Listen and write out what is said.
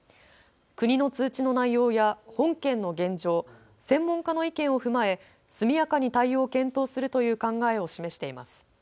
国の通知の内容や本県の現状、専門家の意見を踏まえ速やかに対応を検討するという考えを示しています。